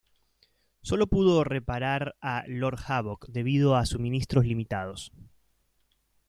Solo pudo reparar a Lord Havok debido a suministros limitados.